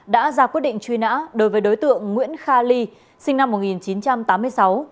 đã ra quyết định truy nã đối với đối tượng nguyễn kha ly sinh năm một nghìn chín trăm tám mươi sáu